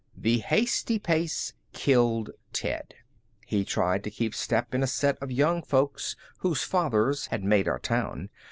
The hasty pace killed Ted. He tried to keep step in a set of young folks whose fathers had made our town.